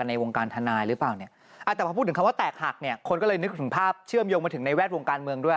ไอ้มึงดูหนังจีนมาก